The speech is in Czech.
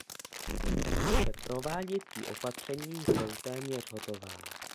Naše prováděcí opatření jsou téměř hotová.